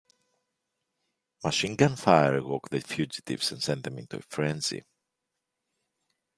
Machine gun fire awoke the fugitives and sent them into a frenzy.